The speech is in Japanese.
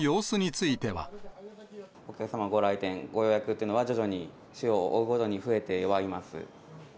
お客様、ご来店、ご予約っていうのは徐々に、日を追うごとに増えてはいます。